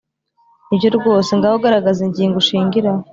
ni byo rwose, ngaho garagaza ingingo ushingiraho.